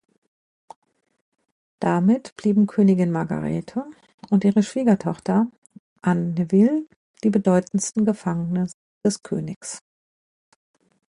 Damit blieben Königin Margarete und ihre Schwiegertochter, Anne Neville, die bedeutendsten Gefangenen des Königs.